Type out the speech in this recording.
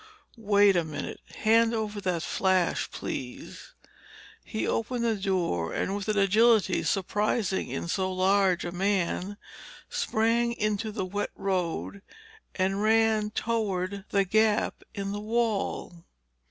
"Wait a minute. Hand over that flash, please." He opened the door and with an agility surprising in so large a man, sprang into the wet road and ran toward the gap in the wall.